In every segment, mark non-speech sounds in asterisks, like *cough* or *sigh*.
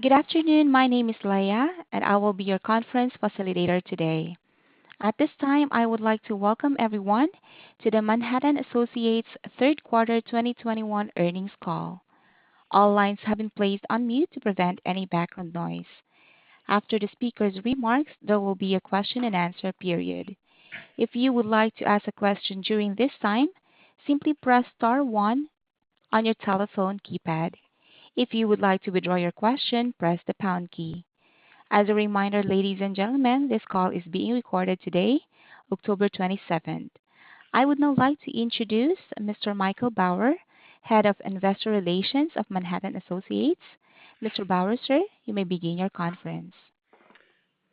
Good afternoon. My name is Leah, and I will be your conference facilitator today. At this time, I would like to welcome everyone to the Manhattan Associates Third Quarter 2021 Earnings Call. All lines have been placed on mute to prevent any background noise. After the speaker's remarks, there will be a Q&A period. If you would like to ask a question during this time, simply press star one on your telephone keypad. If you would like to withdraw your question, press the pound key. As a reminder, ladies and gentlemen, this call is being recorded today, 27 October. I would now like to introduce Mr. Michael Bauer, Head of Investor Relations of Manhattan Associates. Mr. Bauer, sir, you may begin your conference.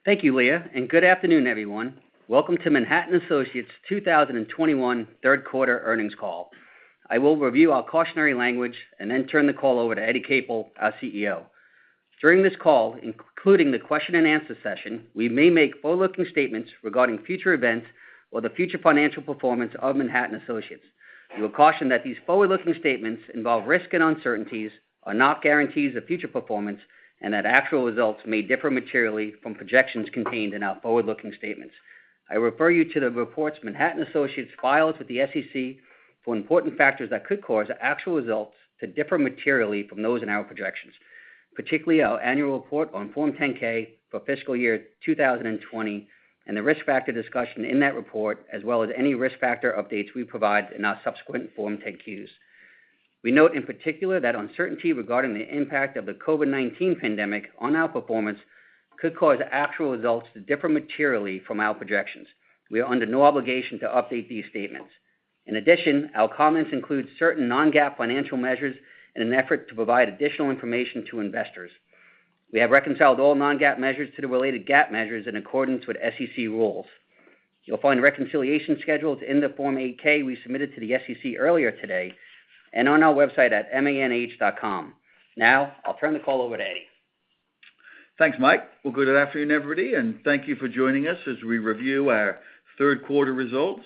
Thank you, Leah, and good afternoon, everyone. Welcome to Manhattan Associates 2021 Third Quarter Earnings Call. I will review our cautionary language and then turn the call over to Eddie Capel, our CEO. During this call, including the Q&A session, we may make forward-looking statements regarding future events or the future financial performance of Manhattan Associates. We will caution that these forward-looking statements involve risks and uncertainties, are not guarantees of future performance, and that actual results may differ materially from projections contained in our forward-looking statements. I refer you to the reports Manhattan Associates files with the SEC for important factors that could cause actual results to differ materially from those in our projections, particularly our annual report on Form 10-K for fiscal year 2020, and the risk factor discussion in that report, as well as any risk factor updates we provide in our subsequent Form 10-Qs. We note in particular that uncertainty regarding the impact of the COVID-19 pandemic on our performance could cause actual results to differ materially from our projections. We are under no obligation to update these statements. In addition, our comments include certain non-GAAP financial measures in an effort to provide additional information to investors. We have reconciled all non-GAAP measures to the related GAAP measures in accordance with SEC rules. You'll find reconciliation schedules in the Form 8-K we submitted to the SEC earlier today and on our website at manh.com. Now I'll turn the call over to Eddie. Thanks, Mike. Well, good afternoon, everybody, and thank you for joining us as we review our third quarter results,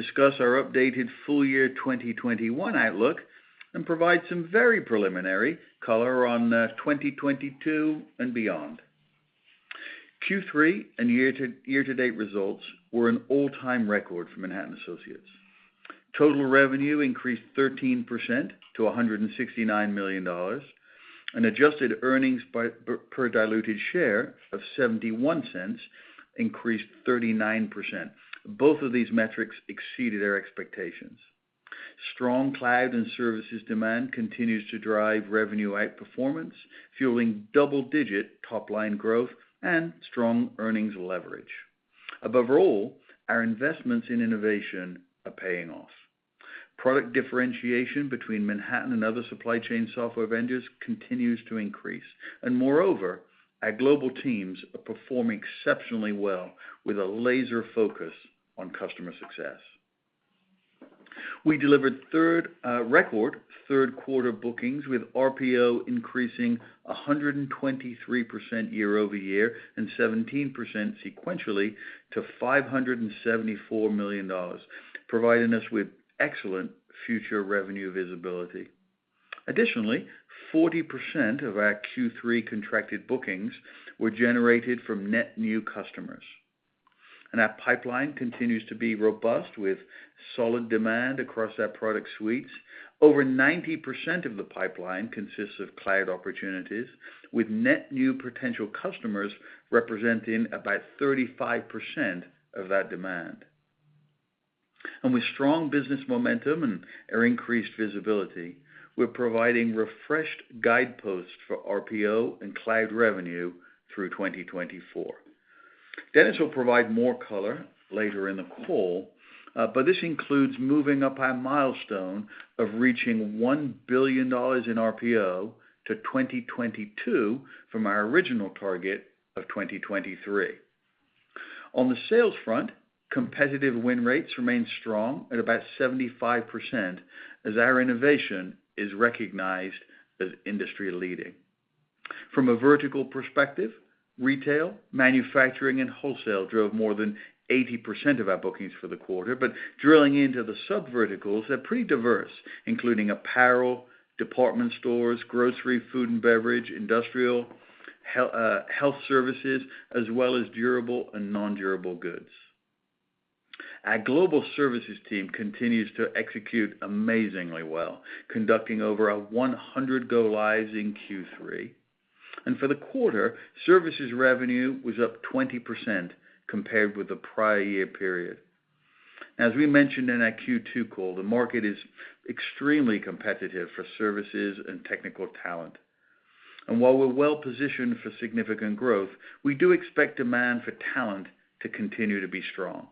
discuss our updated full year 2021 outlook, and provide some very preliminary color on 2022 and beyond. Q3 and year-to-date results were an all-time record for Manhattan Associates. Total revenue increased 13% to $169 million, and adjusted earnings per diluted share of $0.71 increased 39%. Both of these metrics exceeded our expectations. Strong cloud and services demand continues to drive revenue outperformance, fueling double-digit top-line growth and strong earnings leverage. Above all, our investments in innovation are paying off. Product differentiation between Manhattan and other supply chain software vendors continues to increase. Moreover, our global teams are performing exceptionally well with a laser focus on customer success. We delivered record third quarter bookings, with RPO increasing 123% year-over-year and 17% sequentially to $574 million, providing us with excellent future revenue visibility. Additionally, 40% of our Q3 contracted bookings were generated from net new customers, and our pipeline continues to be robust with solid demand across our product suites. Over 90% of the pipeline consists of cloud opportunities, with net new potential customers representing about 35% of that demand. With strong business momentum and our increased visibility, we're providing refreshed guideposts for RPO and cloud revenue through 2024. Dennis will provide more color later in the call, but this includes moving up our milestone of reaching $1 billion in RPO to 2022 from our original target of 2023. On the sales front, competitive win rates remain strong at about 75% as our innovation is recognized as industry leading. From a vertical perspective, retail, manufacturing, and wholesale drove more than 80% of our bookings for the quarter. Drilling into the sub verticals, they're pretty diverse, including apparel, department stores, grocery, food and beverage, industrial, health services, as well as durable and non-durable goods. Our global services team continues to execute amazingly well, conducting over 100 go lives in Q3. For the quarter, services revenue was up 20% compared with the prior year period. As we mentioned in our Q2 call, the market is extremely competitive for services and technical talent. While we're well positioned for significant growth, we do expect demand for talent to continue to be strong,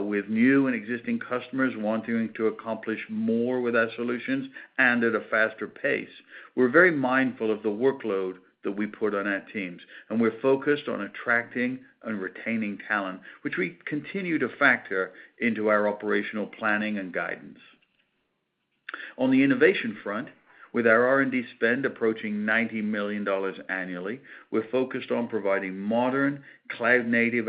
with new and existing customers wanting to accomplish more with our solutions and at a faster pace. We're very mindful of the workload that we put on our teams, and we're focused on attracting and retaining talent, which we continue to factor into our operational planning and guidance. On the innovation front, with our R&D spend approaching $90 million annually, we're focused on providing modern cloud-native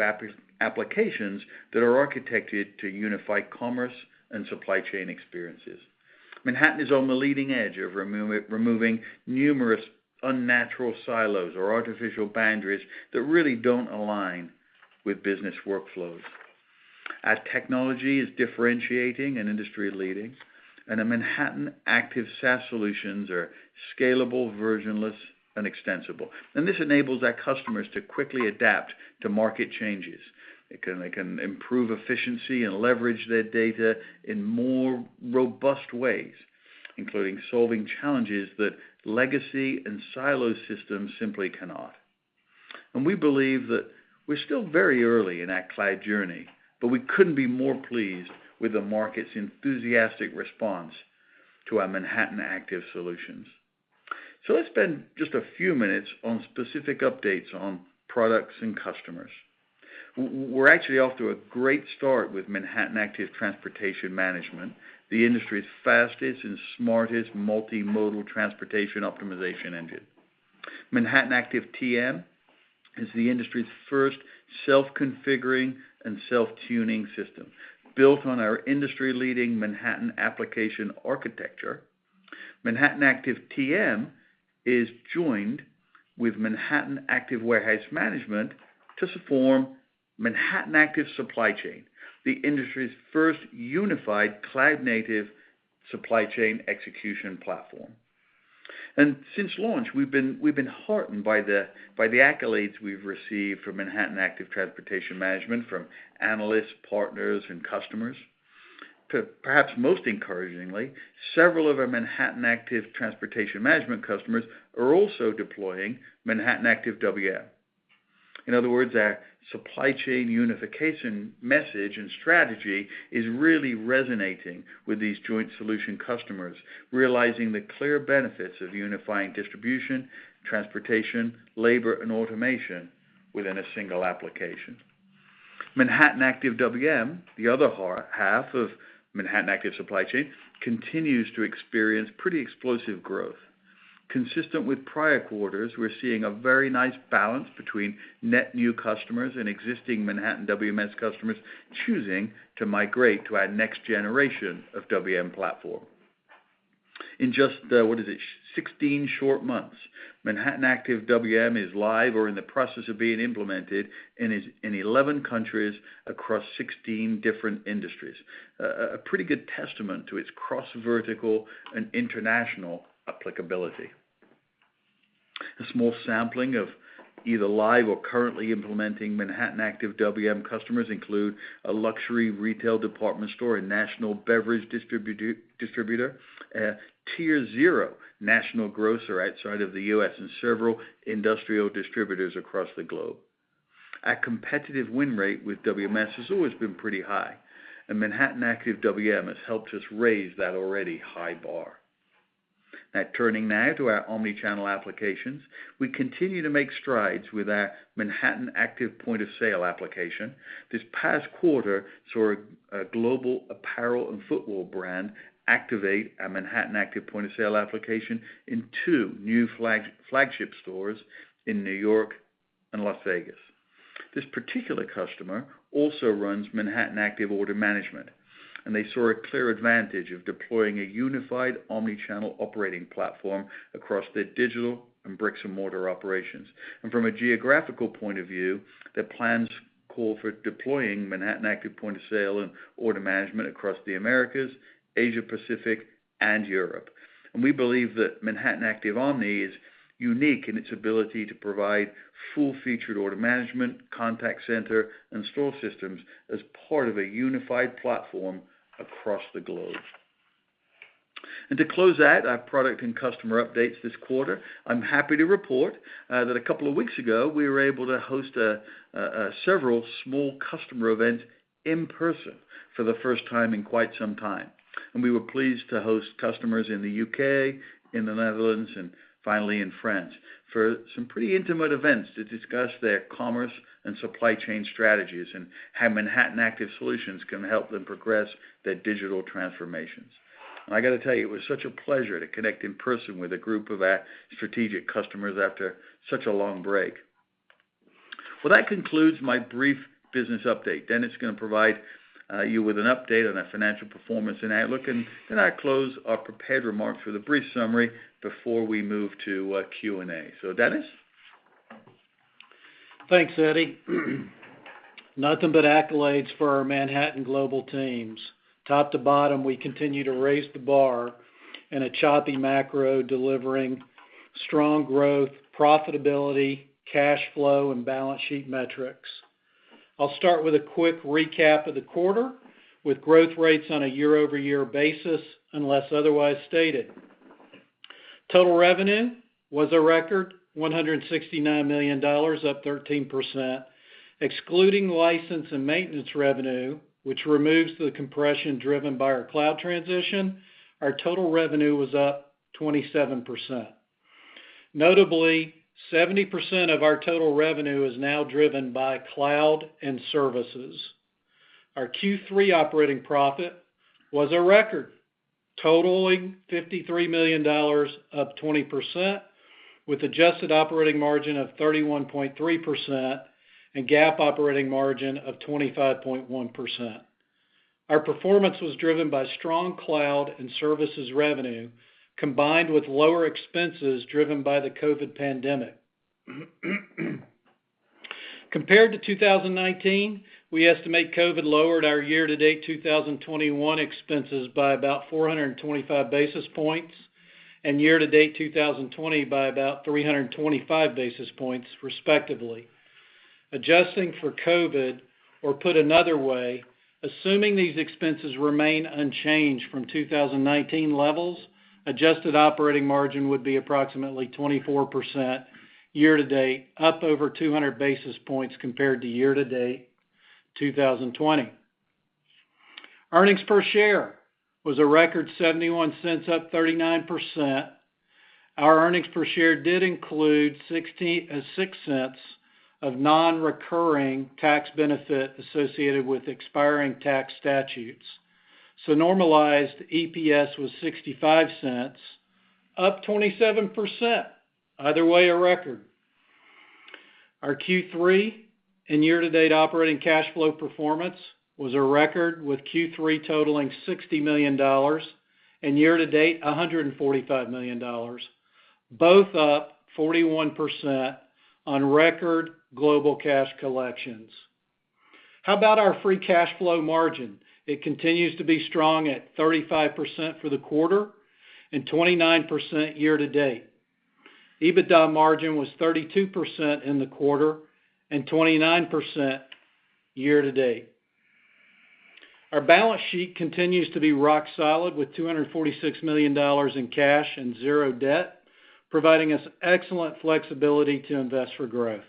applications that are architected to unify commerce and supply chain experiences. Manhattan is on the leading edge of removing numerous unnatural silos or artificial boundaries that really don't align with business workflows. Our technology is differentiating and industry-leading, and the Manhattan Active SaaS solutions are scalable, version-less and extensible. This enables our customers to quickly adapt to market changes. They can, they can improve efficiency and leverage their data in more robust ways, including solving challenges that legacy and silo systems simply cannot. We believe that we're still very early in our cloud journey, but we couldn't be more pleased with the market's enthusiastic response to our Manhattan Active solutions. Let's spend just a few minutes on specific updates on products and customers. We're actually off to a great start with Manhattan Active Transportation Management, the industry's fastest and smartest multimodal transportation optimization engine. Manhattan Active TM is the industry's first self-configuring and self-tuning system. Built on our industry-leading Manhattan application architecture, Manhattan Active TM is joined with Manhattan Active Warehouse Management to form Manhattan Active Supply Chain, the industry's first unified cloud native supply chain execution platform. Since launch, we've been heartened by the accolades we've received for Manhattan Active Transportation Management from analysts, partners, and customers. Perhaps most encouragingly, several of our Manhattan Active Transportation Management customers are also deploying Manhattan Active WM. In other words, our supply chain unification message and strategy is really resonating with these joint solution customers, realizing the clear benefits of unifying distribution, transportation, labor, and automation within a single application. Manhattan Active WM, the other half of Manhattan Active Supply Chain, continues to experience pretty explosive growth. Consistent with prior quarters, we're seeing a very nice balance between net new customers and existing Manhattan WMS customers choosing to migrate to our next generation of WM platform. In just, what is it? 16 short months, Manhattan Active WMS is live or in the process of being implemented in 11 countries across 16 different industries. A pretty good testament to its cross-vertical and international applicability. A small sampling of either live or currently implementing Manhattan Active WMS customers include a luxury retail department store, a national beverage distributor, a tier zero national grocer outside of the U.S., and several industrial distributors across the globe. Our competitive win rate with WMS has always been pretty high, and Manhattan Active WMS has helped us raise that already high bar. Now turning to our omnichannel applications, we continue to make strides with our Manhattan Active Point of Sale application. This past quarter saw a global apparel and footwear brand activate our Manhattan Active Point of Sale application in two new flagship stores in New York and Las Vegas. This particular customer also runs Manhattan Active Order Management, and they saw a clear advantage of deploying a unified omnichannel operating platform across their digital and bricks and mortar operations. From a geographical point of view, their plans call for deploying Manhattan Active Point of Sale and order management across the Americas, Asia Pacific, and Europe. We believe that Manhattan Active Omni is unique in its ability to provide full-featured order management, contact center, and store systems as part of a unified platform across the globe. To close out our product and customer updates this quarter, I'm happy to report that a couple of weeks ago, we were able to host several small customer events in person for the first time in quite some time. We were pleased to host customers in the U.K., in the Netherlands, and finally in France for some pretty intimate events to discuss their commerce and supply chain strategies, and how Manhattan Active Solutions can help them progress their digital transformations. I got to tell you, it was such a pleasure to connect in person with a group of our strategic customers after such a long break. Well, that concludes my brief business update. Dennis is going to provide you with an update on our financial performance and outlook, and then I close our prepared remarks with a brief summary before we move to Q&A. Dennis? Thanks, Eddie. Nothing but accolades for our Manhattan global teams. Top to bottom, we continue to raise the bar in a choppy macro, delivering strong growth, profitability, cash flow, and balance sheet metrics. I'll start with a quick recap of the quarter, with growth rates on a year-over-year basis, unless otherwise stated. Total revenue was a record $169 million, up 13%. Excluding license and maintenance revenue, which removes the compression driven by our cloud transition, our total revenue was up 27%. Notably, 70% of our total revenue is now driven by cloud and services. Our Q3 operating profit was a record, totaling $53 million, up 20%, with adjusted operating margin of 31.3% and GAAP operating margin of 25.1%. Our performance was driven by strong cloud and services revenue, combined with lower expenses driven by the COVID pandemic. Compared to 2019, we estimate COVID lowered our year-to-date 2021 expenses by about 425 basis points, and year-to-date 2020 by about 325 basis points respectively. Adjusting for COVID, or put another way, assuming these expenses remain unchanged from 2019 levels, adjusted operating margin would be approximately 24% year-to-date, up over 200 basis points compared to year-to-date 2020. Earnings per share was a record $0.71, up 39%. Our earnings per share did include $0.66 of non-recurring tax benefit associated with expiring tax statutes. Normalized EPS was $0.65, up 27%, either way a record. Our Q3 and year-to-date operating cash flow performance was a record with Q3 totaling $60 million, and year-to-date $145 million, both up 41% on record global cash collections. How about our free cash flow margin? It continues to be strong at 35% for the quarter and 29% year-to-date. EBITDA margin was 32% in the quarter and 29% year-to-date. Our balance sheet continues to be rock solid with $246 million in cash and 0 debt, providing us excellent flexibility to invest for growth.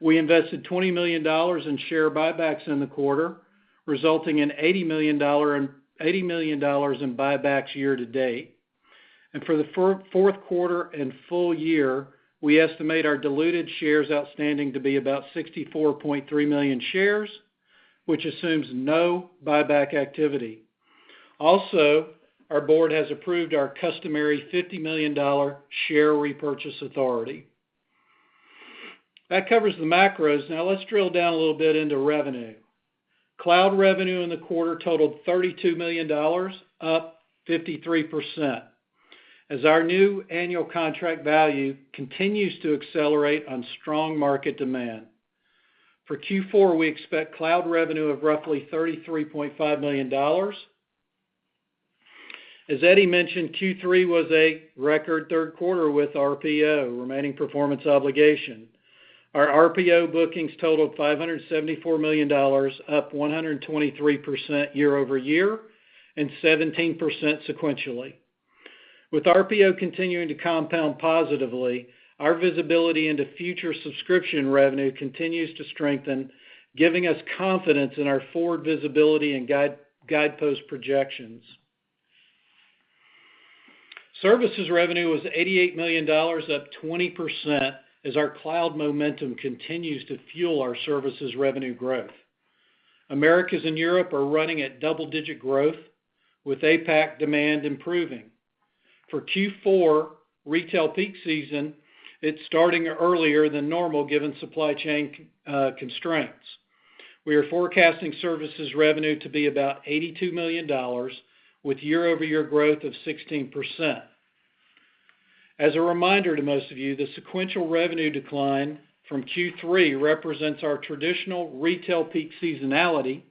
We invested $20 million in share buybacks in the quarter, resulting in $80 million in buybacks year-to-date. For the fourth quarter and full year, we estimate our diluted shares outstanding to be about 64.3 million shares, which assumes no buyback activity. Also, our board has approved our customary $50 million share repurchase authority. That covers the macros. Now let's drill down a little bit into revenue. Cloud revenue in the quarter totaled $32 million, up 53%, as our new annual contract value continues to accelerate on strong market demand. For Q4, we expect cloud revenue of roughly $33.5 million. As Eddie mentioned, Q3 was a record third quarter with RPO, remaining performance obligation. Our RPO bookings totaled $574 million, up 123% year-over-year, and 17% sequentially. With RPO continuing to compound positively, our visibility into future subscription revenue continues to strengthen, giving us confidence in our forward visibility and guide, guidepost projections. Services revenue was $88 million, up 20% as our cloud momentum continues to fuel our services revenue growth. Americas and Europe are running at double-digit growth with APAC demand improving. For Q4 retail peak season, it's starting earlier than normal, given supply chain constraints. We are forecasting services revenue to be about $82 million, with year-over-year growth of 16%. As a reminder to most of you, the sequential revenue decline from Q3 represents our traditional retail peak seasonality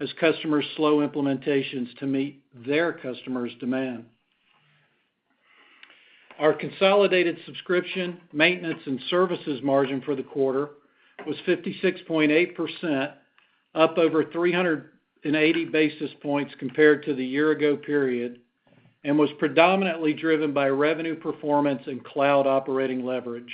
as customers slow implementations to meet their customers' demand. Our consolidated subscription, maintenance, and services margin for the quarter was 56.8%, up over 380 basis points compared to the year ago period, and was predominantly driven by revenue performance and cloud operating leverage.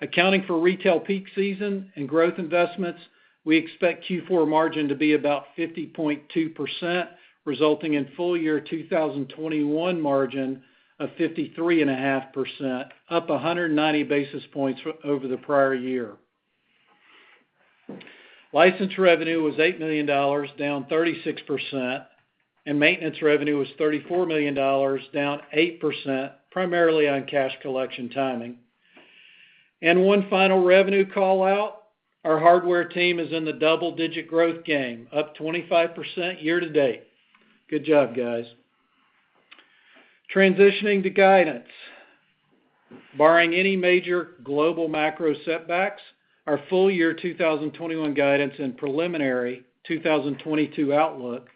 Accounting for retail peak season and growth investments, we expect Q4 margin to be about 50.2%, resulting in full year 2021 margin of 53.5%, up 190 basis points over the prior year. License revenue was $8 million, down 36%, and maintenance revenue was $34 million, down 8%, primarily on cash collection timing. One final revenue call-out. Our hardware team is in the double-digit growth game, up 25% year-to-date. Good job, guys. Transitioning to guidance. Barring any major global macro setbacks, our full year 2021 guidance and preliminary 2022 outlook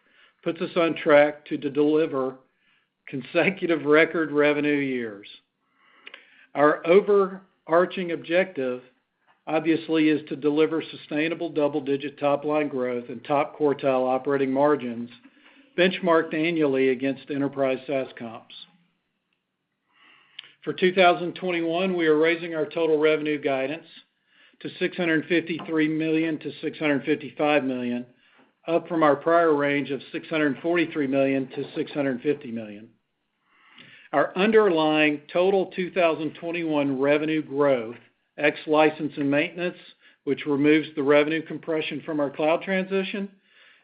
puts us on track to deliver consecutive record revenue years. Our overarching objective, obviously, is to deliver sustainable double-digit top-line growth and top quartile operating margins benchmarked annually against enterprise SaaS comps. For 2021, we are raising our total revenue guidance to $653 million-$655 million, up from our prior range of $643 million-$650 million. Our underlying total 2021 revenue growth, ex license and maintenance, which removes the revenue compression from our cloud transition,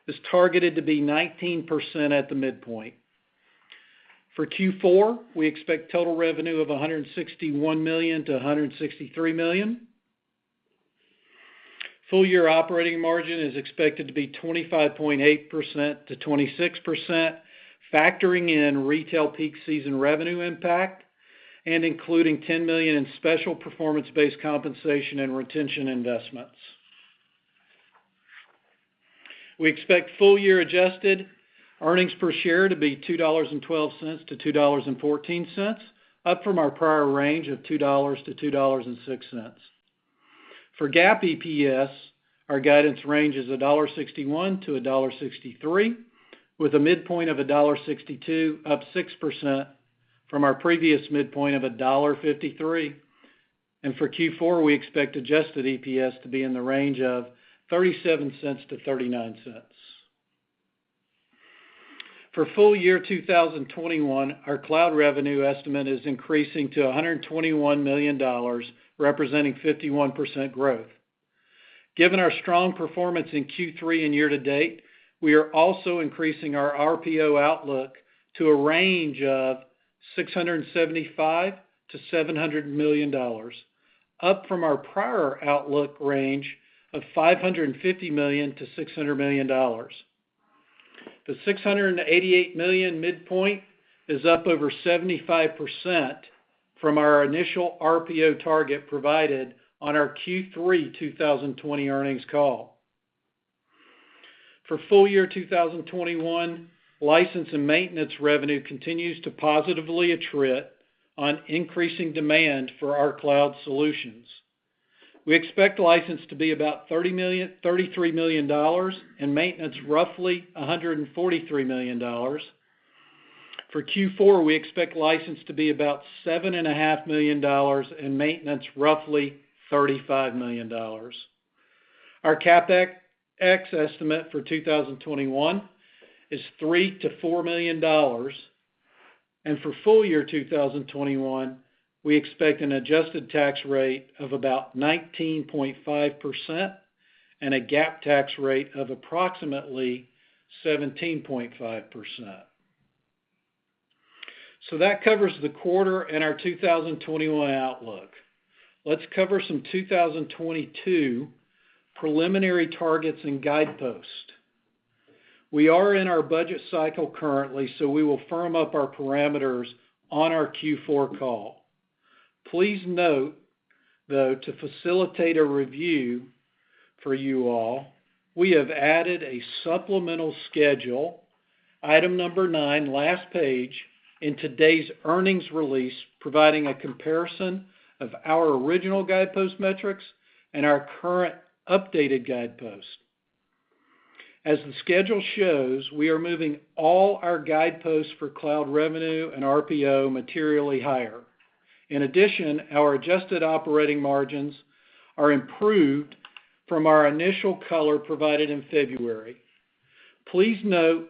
is targeted to be 19% at the midpoint. For Q4, we expect total revenue of $161 million-$163 million. Full-year operating margin is expected to be 25.8%-26%, factoring in retail peak season revenue impact and including $10 million in special performance-based compensation and retention investments. We expect full-year adjusted earnings per share to be $2.12-$2.14, up from our prior range of $2-$2.06. For GAAP EPS, our guidance range is $1.61-$1.63, with a midpoint of $1.62, up 6% from our previous midpoint of $1.53. For Q4, we expect adjusted EPS to be in the range of $0.37-$0.39. For full-year 2021, our cloud revenue estimate is increasing to $121 million, representing 51% growth. Given our strong performance in Q3 and year to date, we are also increasing our RPO outlook to a range of $675 million-$700 million, up from our prior outlook range of $550 million-$600 million. The $688 million midpoint is up over 75% from our initial RPO target provided on our Q3 2020 earnings call. For full year 2021, license and maintenance revenue continues to positively attrit on increasing demand for our cloud solutions. We expect license to be about $30 million-$33 million and maintenance roughly $143 million. For Q4, we expect license to be about $7.5 million and maintenance roughly $35 million. Our CapEx estimate for 2021 is $3 million-$4 million. For full year 2021, we expect an adjusted tax rate of about 19.5% and a GAAP tax rate of approximately 17.5%. That covers the quarter and our 2021 outlook. Let's cover some 2022 preliminary targets and guideposts. We are in our budget cycle currently, so we will firm up our parameters on our Q4 call. Please note, though, to facilitate a review for you all, we have added a supplemental schedule, item number nine, last page, in today's earnings release, providing a comparison of our original guidepost metrics and our current updated guideposts. As the schedule shows, we are moving all our guideposts for cloud revenue and RPO materially higher. In addition, our adjusted operating margins are improved from our initial color provided in February. Please note,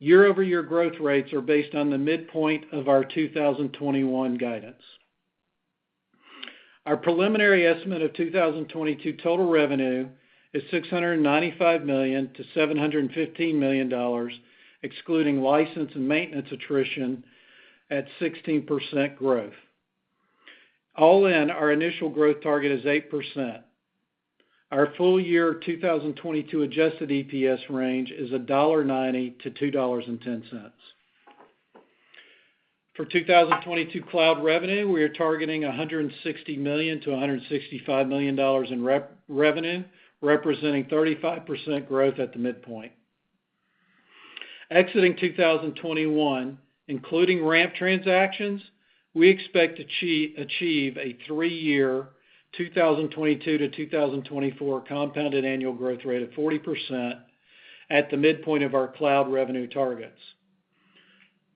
year-over-year growth rates are based on the midpoint of our 2021 guidance. Our preliminary estimate of 2022 total revenue is $695 million-$715 million, excluding license and maintenance attrition at 16% growth. All in, our initial growth target is 8%. Our full year 2022 adjusted EPS range is $1.90-$2.10. For 2022 cloud revenue, we are targeting $160 million-$165 million in revenue, representing 35% growth at the midpoint. Exiting 2021, including ramp transactions, we expect to achieve a three-year 2022 to 2024 compounded annual growth rate of 40% at the midpoint of our cloud revenue targets.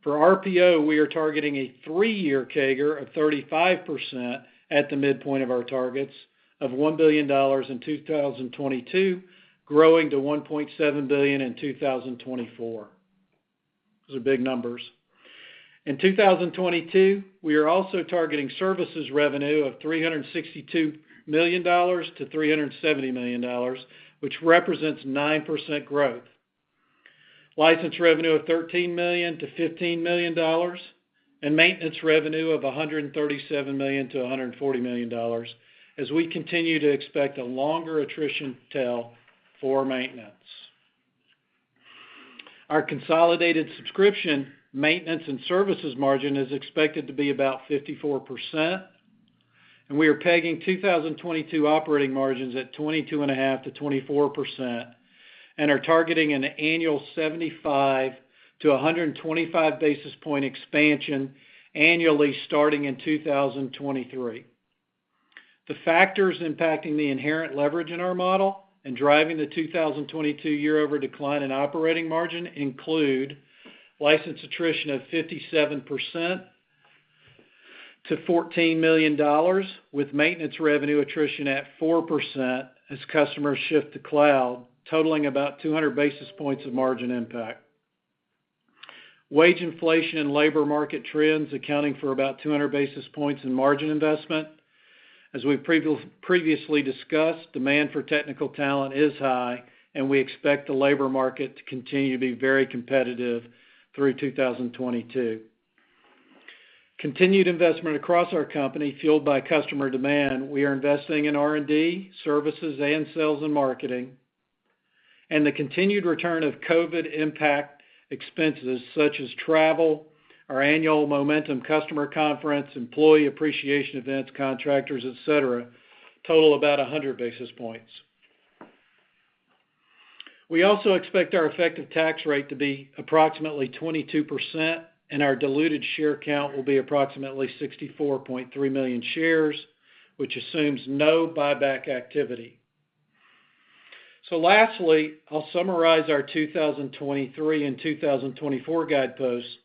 For RPO, we are targeting a three-year CAGR of 35% at the midpoint of our targets of $1 billion in 2022, growing to $1.7 billion in 2024. Those are big numbers. In 2022, we are also targeting services revenue of $362 million-$370 million, which represents 9% growth, license revenue of $13 million-$15 million, and maintenance revenue of $137 million-$140 million as we continue to expect a longer attrition tail for maintenance. Our consolidated subscription, maintenance, and services margin is expected to be about 54%, and we are pegging 2022 operating margins at 22.5%-24% and are targeting an annual 75-125 basis point expansion annually starting in 2023. The factors impacting the inherent leverage in our model and driving the 2022 year-over-year decline in operating margin include license attrition of 57% to $14 million, with maintenance revenue attrition at 4% as customers shift to cloud, totaling about 200 basis points of margin impact. Wage inflation and labor market trends accounting for about 200 basis points in margin investment. As we've previously discussed, demand for technical talent is high, and we expect the labor market to continue to be very competitive through 2022. Continued investment across our company fueled by customer demand, we are investing in R&D, services, and sales and marketing. The continued return of COVID impact expenses such as travel, our annual Momentum customer conference, employee appreciation events, contractors, etc., total about 100 basis points. We also expect our effective tax rate to be approximately 22%, and our diluted share count will be approximately 64.3 million shares, which assumes no buyback activity. Lastly, I'll summarize our 2023 and 2024 guideposts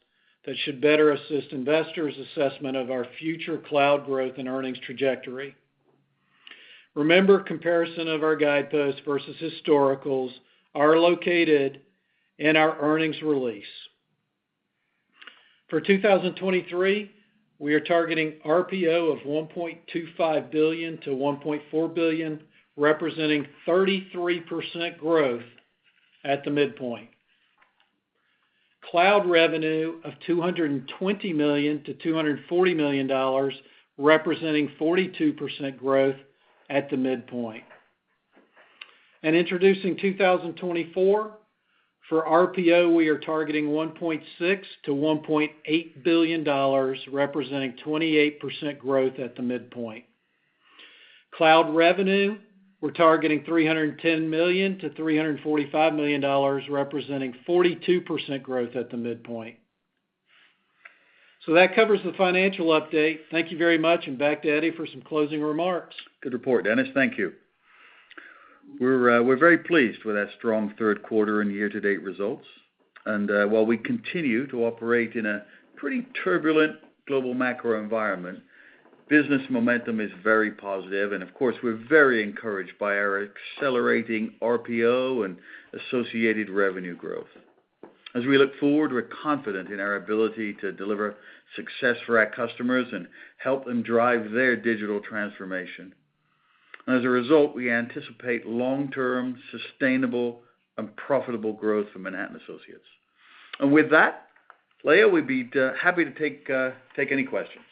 that should better assist investors' assessment of our future cloud growth and earnings trajectory. Remember, comparison of our guideposts versus historicals are located in our earnings release. For 2023, we are targeting RPO of $1.25 billion-$1.4 billion, representing 33% growth at the midpoint. Cloud revenue of $220 million-$240 million, representing 42% growth at the midpoint. Introducing 2024, for RPO, we are targeting $1.6 billion-$1.8 billion, representing 28% growth at the midpoint. Cloud revenue, we're targeting $310 million-$345 million, representing 42% growth at the midpoint. That covers the financial update. Thank you very much, and back to Eddie for some closing remarks. Good report, Dennis. Thank you. We're very pleased with that strong third quarter and year-to-date results. While we continue to operate in a pretty turbulent global macro environment, business momentum is very positive, and of course, we're very encouraged by our accelerating RPO and associated revenue growth. As we look forward, we're confident in our ability to deliver success for our customers and help them drive their digital transformation. As a result, we anticipate long-term, sustainable, and profitable growth for Manhattan Associates. With that, Leah, we'd be happy to take any questions.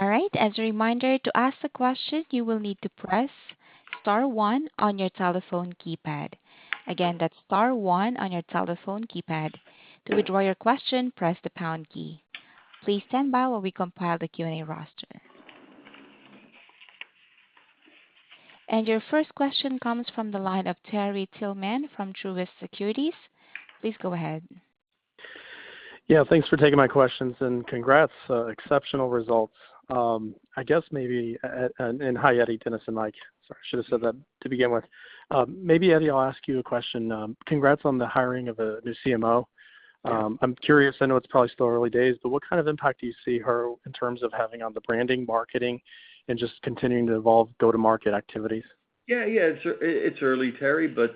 All right. As a reminder, to ask a question, you will need to press star one on your telephone keypad. Again, that's star one on your telephone keypad. To withdraw your question, press the pound key. Please stand by while we compile the Q&A roster. Your first question comes from the line of Terry Tillman from Truist Securities. Please go ahead. Yeah. Thanks for taking my questions, and congrats, exceptional results. I guess maybe, and hi, Eddie, Dennis, and Mike. Sorry, should have said that to begin with. Maybe Eddie, I'll ask you a question. Congrats on the hiring of a new CMO. I'm curious, I know it's probably still early days, but what kind of impact do you see her in terms of having on the branding, marketing, and just continuing to evolve go-to-market activities? Yeah. It's early, Terry, but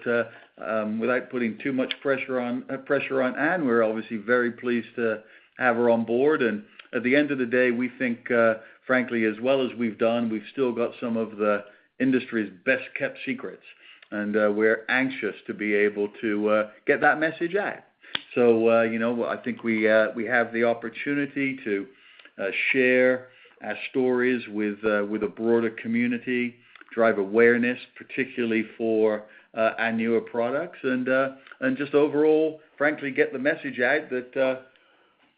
without putting too much pressure on Ann, we're obviously very pleased to have her on board. At the end of the day, we think, frankly, as well as we've done, we've still got some of the industry's best-kept secrets, and we're anxious to be able to get that message out. You know, I think we have the opportunity to share our stories with a broader community, drive awareness, particularly for our newer products, and just overall, frankly, get the message out that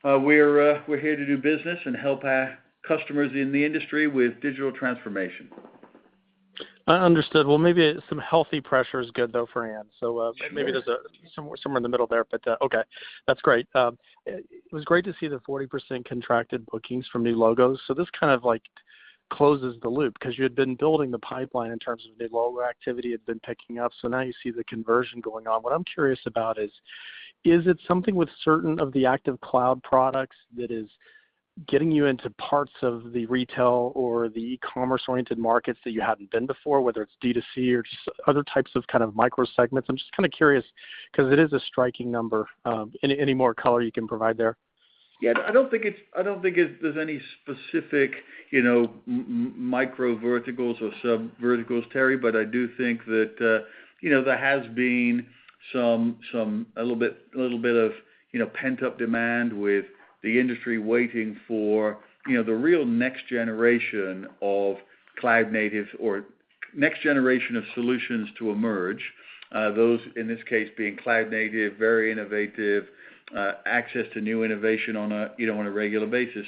we're here to do business and help our customers in the industry with digital transformation. Understood. Well, maybe some healthy pressure is good though for Ann. Maybe there's somewhere in the middle there, but okay. That's great. It was great to see the 40% contracted bookings from new logos. This kind of like closes the loop 'cause you had been building the pipeline in terms of new logo activity had been picking up. Now you see the conversion going on. What I'm curious about is it something with certain of the active cloud products that is getting you into parts of the retail or the e-commerce-oriented markets that you hadn't been before, whether it's D2C or just other types of kind of micro segments? I'm just kinda curious 'cause it is a striking number. Any more color you can provide there? Yeah. I don't think there's any specific, you know, micro verticals or sub verticals, Terry, but I do think that, you know, there has been some a little bit of, you know, pent-up demand with the industry waiting for, you know, the real next generation of cloud native or next generation of solutions to emerge. Those, in this case, being cloud native, very innovative, access to new innovation on a regular basis.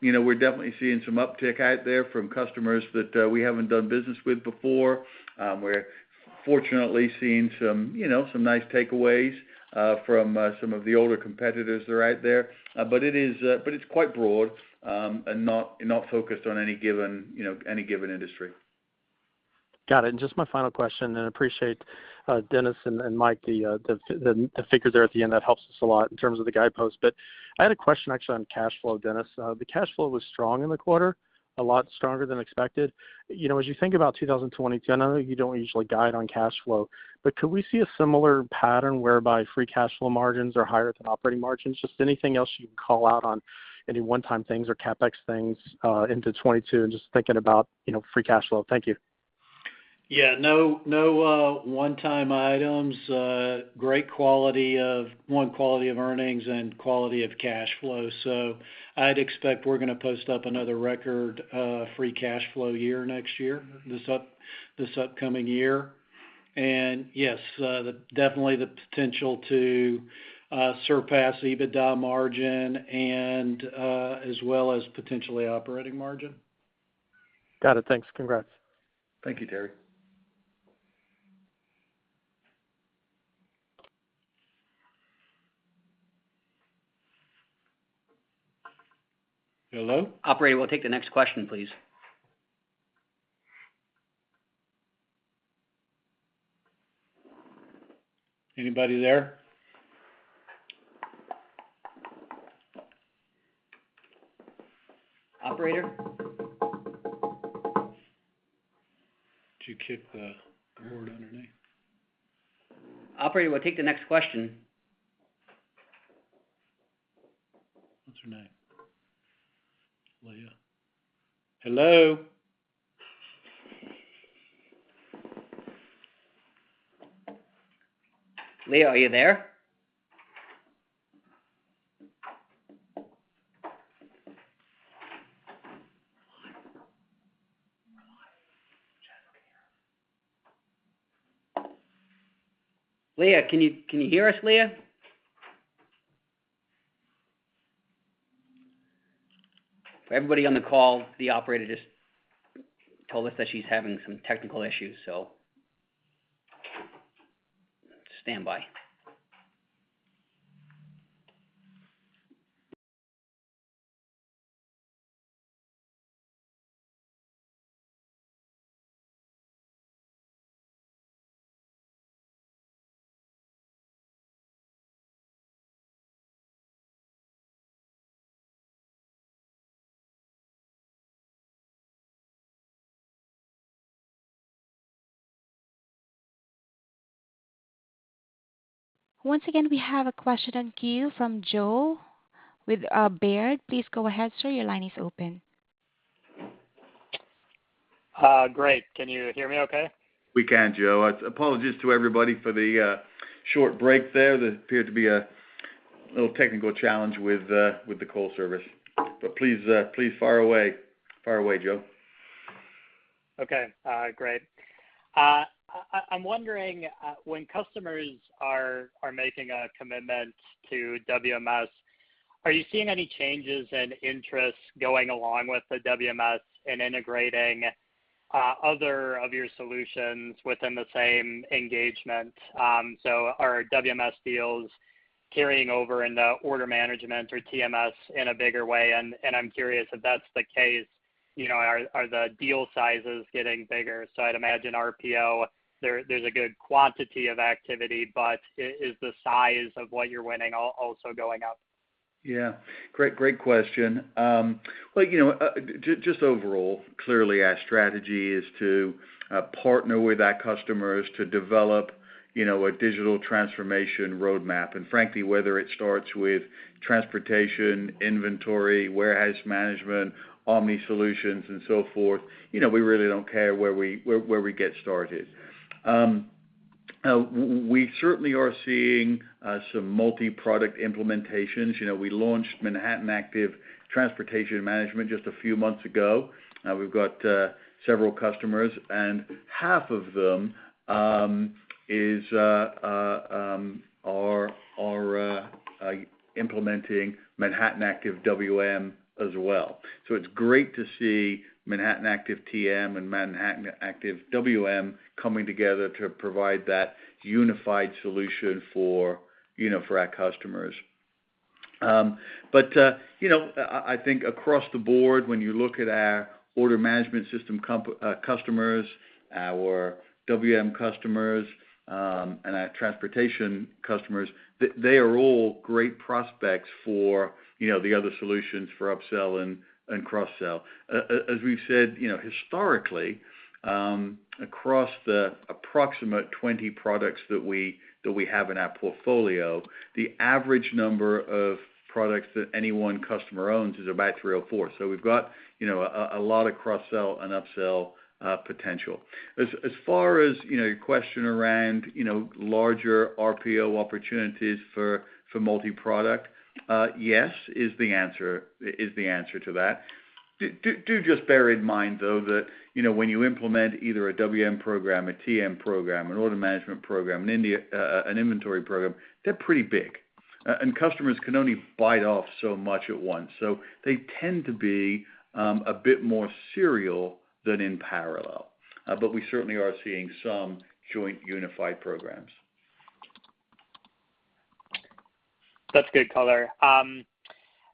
You know, we're definitely seeing some uptick out there from customers that we haven't done business with before. We're fortunately seeing some, you know, nice takeaways from some of the older competitors that are out there. It's quite broad and not focused on any given, you know, any given industry. Got it. Just my final question, and I appreciate, Dennis and Michael, the figure there at the end, that helps us a lot in terms of the guidepost. I had a question actually on cash flow, Dennis. The cash flow was strong in the quarter, a lot stronger than expected. You know, as you think about 2022, I know you don't usually guide on cash flow, but could we see a similar pattern whereby free cash flow margins are higher than operating margins? Just anything else you can call out on any one-time things or CapEx things into 2022, and just thinking about, you know, free cash flow. Thank you. Yeah, no, one-time items, great quality of earnings and quality of cash flow. I'd expect we're gonna post up another record free cash flow year next year, this upcoming year. Yes, definitely the potential to surpass EBITDA margin as well as potentially operating margin. Got it. Thanks. Congrats. Thank you, Terry. Hello? Operator, we'll take the next question, please. Anybody there? Operator? Did you kick the board underneath? Operator, we'll take the next question. What's her name? Leah. Hello. Leah, are you there? Leah, can you hear us, Leah? Everybody on the call, the operator just told us that she's having some technical issues, so stand by. Once again, we have a question in queue from Joe with Baird. Please go ahead, sir. Your line is open. Great. Can you hear me okay? We can, Joe. Apologies to everybody for the short break there. There appeared to be a little technical challenge with the call service. Please fire away. Fire away, Joe. Okay. Great. I'm wondering, when customers are making a commitment to WMS, are you seeing any changes in interest going along with the WMS and integrating other of your solutions within the same engagement? Are WMS deals carrying over in the order management or TMS in a bigger way? I'm curious if that's the case, you know, are the deal sizes getting bigger? I'd imagine RPO there's a good quantity of activity, but is the size of what you're winning also going up? Yeah. Great question. Well, you know, just overall, clearly our strategy is to partner with our customers to develop, you know, a digital transformation roadmap. Frankly, whether it starts with transportation, inventory, warehouse management, omni solutions and so forth, you know, we really don't care where we get started. We certainly are seeing some multi-product implementations. You know, we launched Manhattan Active Transportation Management just a few months ago. Now we've got several customers, and half of them are implementing Manhattan Active WM as well. It's great to see Manhattan Active TM and Manhattan Active WM coming together to provide that unified solution for, you know, for our customers. I think across the board, when you look at our order management system customers, our WM customers, and our transportation customers, they are all great prospects for, you know, the other solutions for upsell and cross-sell. As we've said, you know, historically, across the approximate 20 products that we have in our portfolio, the average number of products that any one customer owns is about three or four. So we've got, you know, a lot of cross-sell and upsell potential. As far as, you know, your question around, you know, larger RPO opportunities for multi-product, yes, is the answer to that. Just bear in mind, though, that, you know, when you implement either a WMS program, a TMS program, an order management program, an inventory program, they're pretty big, and customers can only bite off so much at once. They tend to be a bit more serial than in parallel. We certainly are seeing some joint unified programs. That's good color.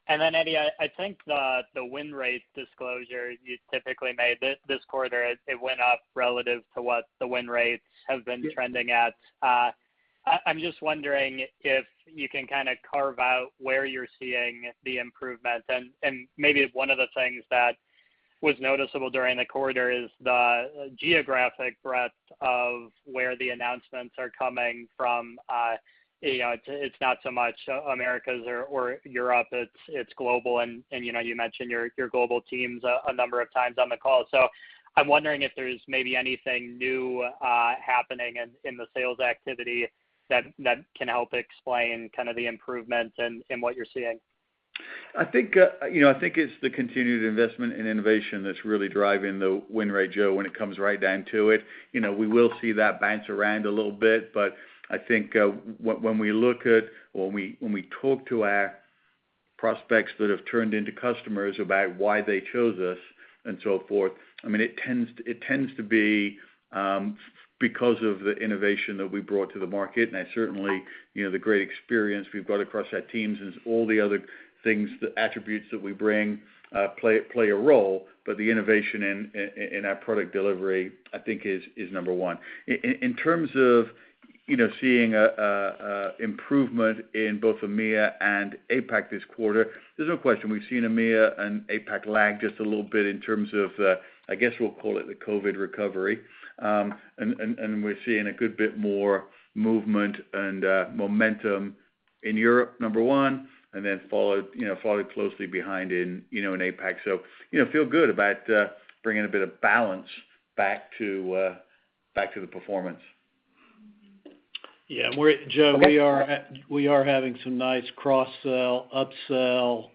Eddie, I think the win rate disclosure you typically made this quarter, it went up relative to what the win rates have been trending at. I'm just wondering if you can kinda carve out where you're seeing the improvements and maybe if one of the things that was noticeable during the quarter is the geographic breadth of where the announcements are coming from. You know, it's not so much Americas or Europe, it's global, and you know, you mentioned your global teams a number of times on the call. I'm wondering if there's maybe anything new happening in the sales activity that can help explain kind of the improvements in what you're seeing. I think, you know, I think it's the continued investment in innovation that's really driving the win rate, Joe, when it comes right down to it. You know, we will see that bounce around a little bit. I think, when we look at, when we talk to our prospects that have turned into customers about why they chose us and so forth, I mean, it tends to be because of the innovation that we brought to the market. Certainly, you know, the great experience we've got across our teams is all the other things, the attributes that we bring, play a role. The innovation in our product delivery, I think, is number one. In terms of, you know, seeing an improvement in both EMEA and APAC this quarter, there's no question we've seen EMEA and APAC lag just a little bit in terms of, I guess we'll call it the COVID recovery. And we're seeing a good bit more movement and momentum in Europe, number one, and then followed closely behind in APAC. You know, feel good about bringing a bit of balance back to the performance. Joe, we are having some nice cross sell, upsell,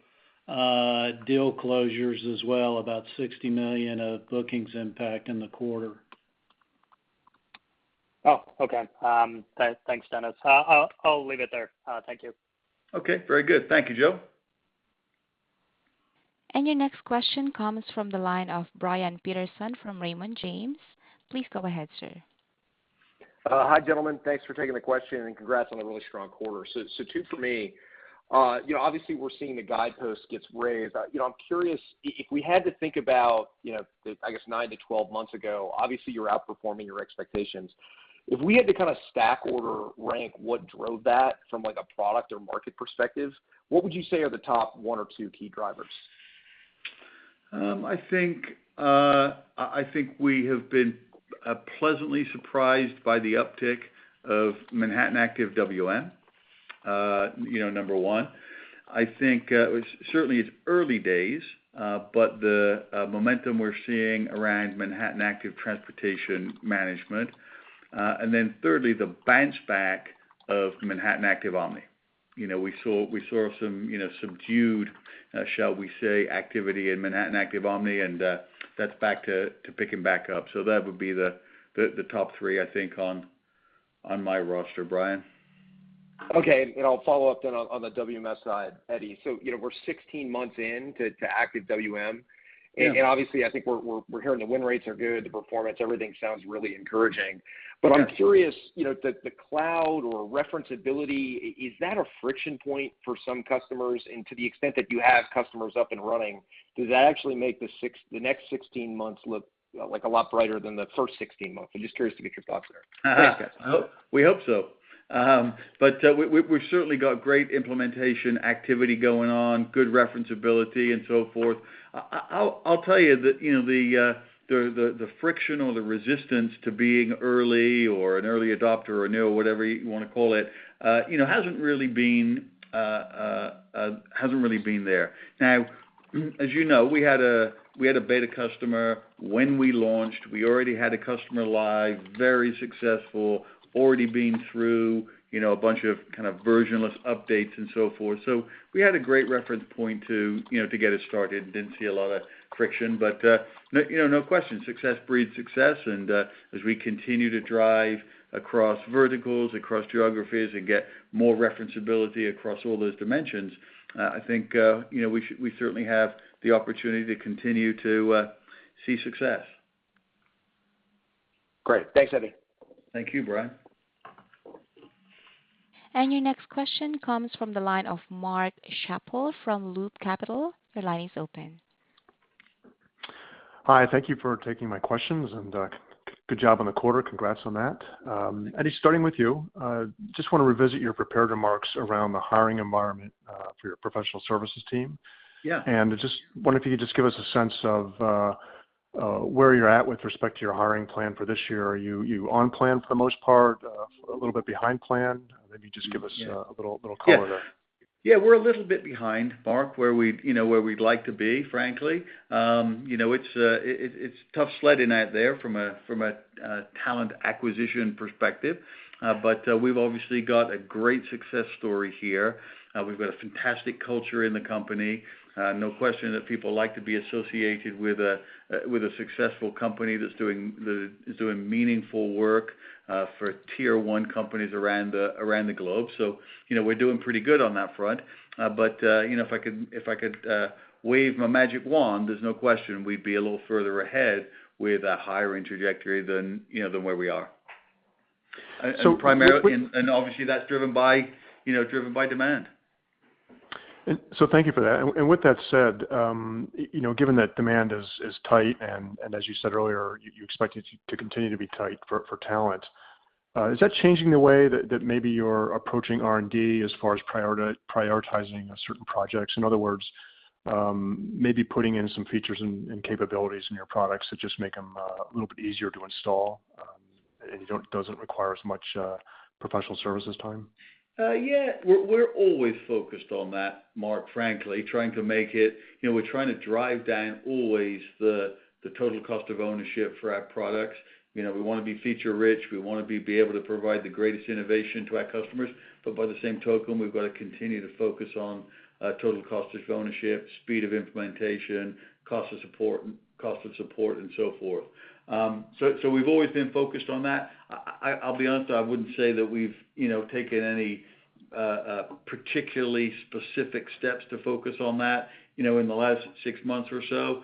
deal closures as well, about $60 million of bookings impact in the quarter. Oh, okay. Thanks, Dennis. I'll leave it there. Thank you. Okay, very good. Thank you, Joe. Your next question comes from the line of Brian Peterson from Raymond James. Please go ahead, sir. Hi, gentlemen. Thanks for taking the question, and congrats on a really strong quarter. Two for me. You know, obviously we're seeing the guidepost gets raised. You know, I'm curious if we had to think about, you know, the, I guess, nine to 12 months ago, obviously you're outperforming your expectations. If we had to kind of stack order rank what drove that from like a product or market perspective, what would you say are the top one or two key drivers? I think we have been pleasantly surprised by the uptick of Manhattan Active WMS, you know, number one. I think certainly it's early days, but the momentum we're seeing around Manhattan Active Transportation Management. And then thirdly, the bounce back of Manhattan Active Omni. You know, we saw some, you know, subdued, shall we say, activity in Manhattan Active Omni, and that's back to picking back up. That would be the top three I think on my roster, Brian. Okay. I'll follow up then on the WMS side, Eddie. You know, we're 16 months in to Active WMS. Obviously I think we're hearing the win rates are good, the performance, everything sounds really encouraging. I'm curious, you know, the cloud or referability, is that a friction point for some customers? To the extent that you have customers up and running, does that actually make the next 16 months look, like, a lot brighter than the first 16 months? I'm just curious to get your thoughts there. We hope so. We've certainly got great implementation activity going on, good referenceability and so forth. I'll tell you that, you know, the friction or the resistance to being early or an early adopter or new, whatever you wanna call it, you know, hasn't really been there. Now, as you know, we had a beta customer when we launched. We already had a customer live, very successful, already been through, you know, a bunch of kind of versionless updates and so forth. We had a great reference point to, you know, get us started, and didn't see a lot of friction. You know, no question, success breeds success. As we continue to drive across verticals, across geographies and get more referencability across all those dimensions, I think, you know, we certainly have the opportunity to continue to see success. Great. Thanks, Eddie. Thank you, Brian. Your next question comes from the line of Mark Schappel from Loop Capital. Your line is open. Hi. Thank you for taking my questions, and, good job on the quarter. Congrats on that. Eddie, starting with you, just wanna revisit your prepared remarks around the hiring environment, for your professional services team. Just wonder if you could just give us a sense of where you're at with respect to your hiring plan for this year. Are you on plan for the most part, a little bit behind plan? Maybe just give us a little color there. Yeah, we're a little bit behind, Mark, where we'd like to be, frankly. You know, it's tough sledding out there from a talent acquisition perspective. But we've obviously got a great success story here. We've got a fantastic culture in the company. No question that people like to be associated with a successful company that's doing meaningful work for tier one companies around the globe. You know, we're doing pretty good on that front. But you know, if I could wave my magic wand, there's no question we'd be a little further ahead with a hiring trajectory than where we are. So would. Primarily, obviously that's, you know, driven by demand. Thank you for that. With that said, you know, given that demand is tight, and as you said earlier, you expect it to continue to be tight for talent. Is that changing the way that maybe you're approaching R&D as far as prioritizing certain projects? In other words, maybe putting in some features and capabilities in your products that just make them a little bit easier to install, and doesn't require as much professional services time. Yeah. We're always focused on that, Mark, frankly, trying to make it. You know, we're trying to drive down always the total cost of ownership for our products. You know, we wanna be feature-rich, we wanna be able to provide the greatest innovation to our customers. By the same token, we've got to continue to focus on total cost of ownership, speed of implementation, cost of support, and so forth. We've always been focused on that. I'll be honest, I wouldn't say that we've taken any particularly specific steps to focus on that, you know, in the last six months or so.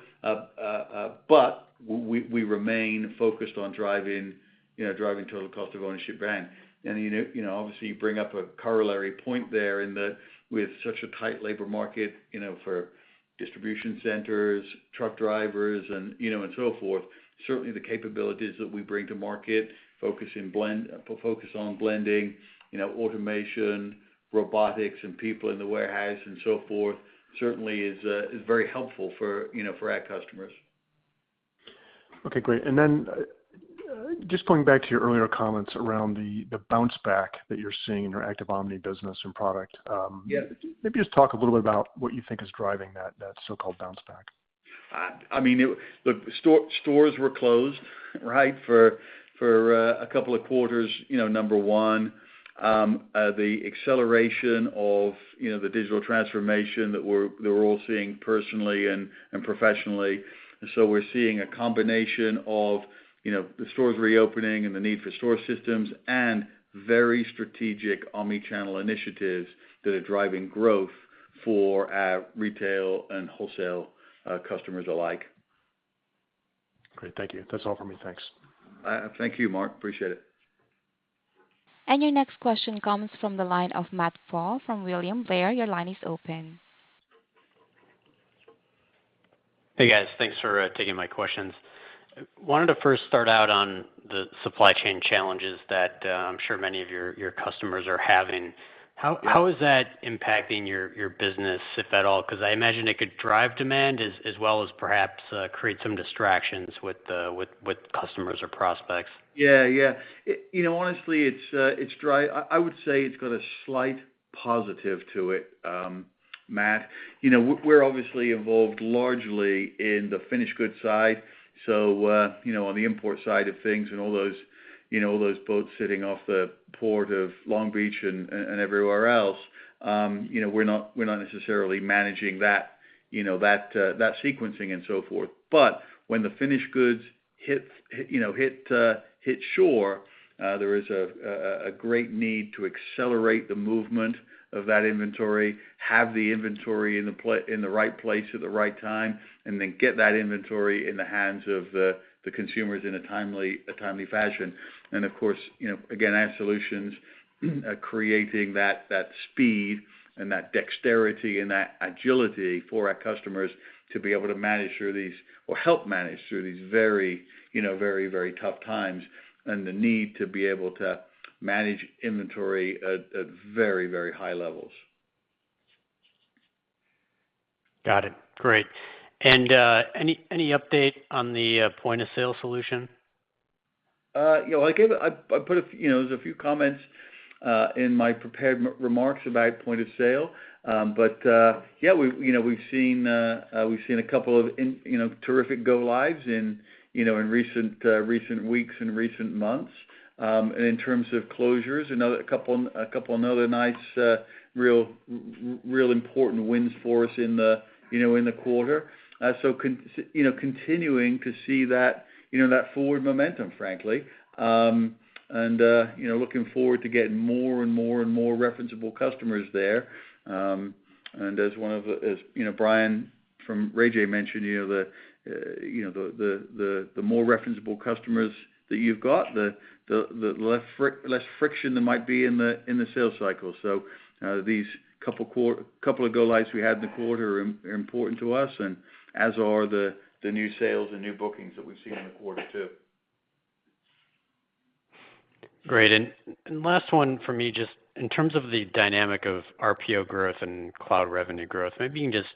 We remain focused on driving total cost of ownership down. You know, obviously you bring up a corollary point there in that with such a tight labor market, you know, for distribution centers, truck drivers and, you know, and so forth, certainly the capabilities that we bring to market, focus on blending, you know, automation, robotics, and people in the warehouse and so forth, certainly is very helpful for, you know, for our customers. Okay, great. Just pointing back to your earlier comments around the bounce back that you're seeing in your Active Omni business and product. Maybe just talk a little bit about what you think is driving that so-called bounce back. I mean, stores were closed, right, for a couple of quarters, you know, number one. The acceleration of, you know, the digital transformation that we're all seeing personally and professionally. We're seeing a combination of, you know, the stores reopening and the need for store systems and very strategic omnichannel initiatives that are driving growth for our retail and wholesale customers alike. Great. Thank you. That's all for me. Thanks. Thank you, Mark. Appreciate it. Your next question comes from the line of Matthew Pfau from William Blair. Your line is open. Hey, guys. Thanks for taking my questions. Wanted to first start out on the supply chain challenges that, I'm sure many of your customers are having. How is that impacting your business, if at all? 'Cause I imagine it could drive demand as well as perhaps with customers or prospects. Yeah, yeah. You know, honestly, it's dry. I would say it's got a slight positive to it, Matt. You know, we're obviously involved largely in the finished goods side. You know, on the import side of things and all those boats sitting off the Port of Long Beach and everywhere else, you know, we're not necessarily managing that sequencing and so forth. But when the finished goods hit shore, there is a great need to accelerate the movement of that inventory, have the inventory in the right place at the right time, and then get that inventory in the hands of the consumers in a timely fashion. Of course, you know, again, our solutions are creating that speed and that dexterity and that agility for our customers to be able to manage through these or help manage through these very, you know, very tough times and the need to be able to manage inventory at very high levels. Got it. Great. Any update on the point-of-sale solution? You know, I put a few comments in my prepared remarks about Point of Sale. We, you know, we've seen a couple of terrific go lives in recent weeks and recent months. In terms of closures, you know, another couple of nice, real important wins for us in the quarter. Continuing to see that forward momentum, frankly. You know, looking forward to getting more and more and more referenceable customers there. As you know, Brian from RayJay mentioned, you know, the more referenceable customers that you've got, the less friction there might be in the sales cycle. These couple of go lives we had in the quarter are important to us and as are the new sales and new bookings that we've seen in the quarter too. Great. Last one for me, just in terms of the dynamic of RPO growth and cloud revenue growth, maybe you can just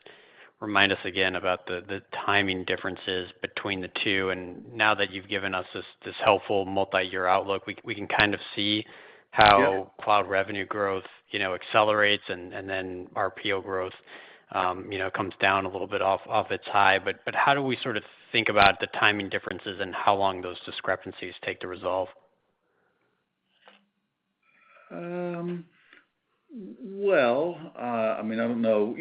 remind us again about the timing differences between the two. Now that you've given us this helpful multi-year outlook, we can kind of see how cloud revenue growth, you know, accelerates and then RPO growth, you know, comes down a little bit off its high. How do we sort of think about the timing differences and how long those discrepancies take to resolve? Well, I mean, I don't know.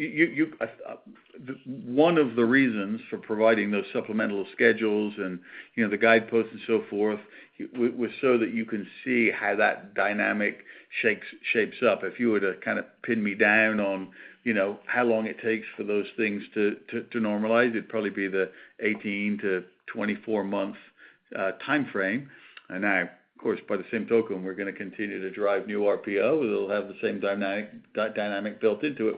One of the reasons for providing those supplemental schedules and, you know, the guideposts and so forth, was so that you can see how that dynamic shapes up. If you were to kind of pin me down on, you know, how long it takes for those things to normalize, it'd probably be the 18-24 months timeframe. Now, of course, by the same token, we're gonna continue to drive new RPO. It'll have the same dynamic built into it.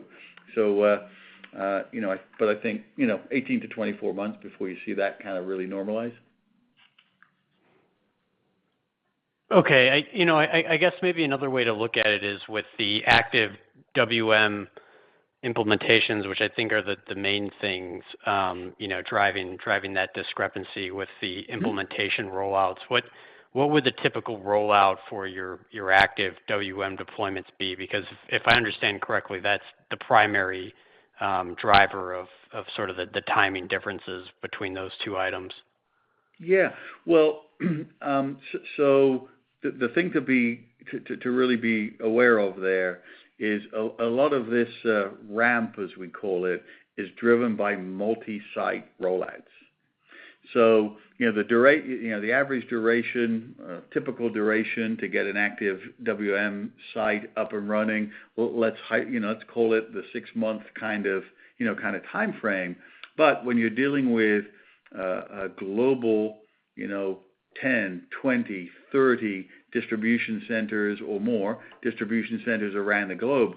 You know, I think, you know, 18-24 months before you see that kind of really normalize. Okay. I you know I guess maybe another way to look at it is with the Active WM implementations, which I think are the main things you know driving that discrepancy with the implementation roll-outs. What would the typical rollout for your Active WM deployments be? Because if I understand correctly, that's the primary driver of sort of the timing differences between those two items. Yeah. Well, so the thing to really be aware of there is a lot of this ramp, as we call it, is driven by multi-site roll-outs. You know, the average duration, typical duration to get an Active WMS site up and running, let's say the six-month kind of timeframe. When you're dealing with a global 10, 20, 30 distribution centers or more distribution centers around the globe,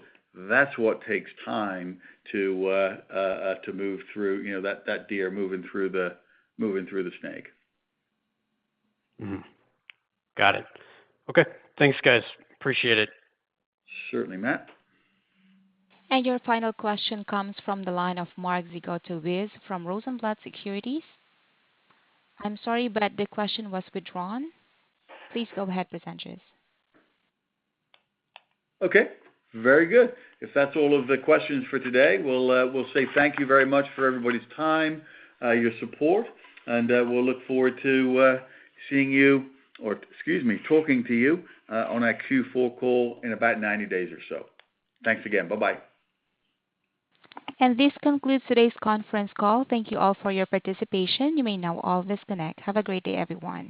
that's what takes time to move through. You know, that deer moving through the snake. Mm-hmm. Got it. Okay. Thanks, guys. Appreciate it. Certainly, Matt. Your final question comes from the line of Mark Zgutowicz from Rosenblatt Securities. I'm sorry, but the question was withdrawn. Please go ahead. *inaudible* Okay, very good. If that's all of the questions for today, we'll say thank you very much for everybody's time, your support, and we'll look forward to seeing you or, excuse me, talking to you on our Q4 call in about 90 days or so. Thanks again. Bye-bye. This concludes today's conference call. Thank you all for your participation. You may now all disconnect. Have a great day, everyone.